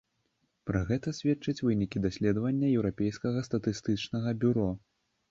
Пра гэта сведчаць вынікі даследавання еўрапейскага статыстычнага бюро.